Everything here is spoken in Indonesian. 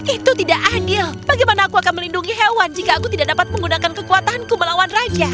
itu tidak adil bagaimana aku akan melindungi hewan jika aku tidak dapat menggunakan kekuatanku melawan raja